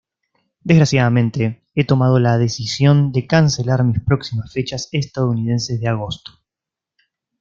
Desgraciadamente he tomado la decisión de cancelar mis próximas fechas estadounidenses de agosto.